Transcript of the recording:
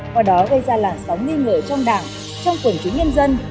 và đó gây ra làn sóng nghi ngờ trong đảng trong quần chính nhân dân